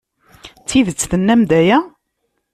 D tidet tennam-d aya?